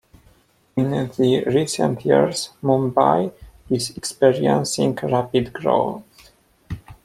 In the recent years Mumbai is experiencing rapid growth.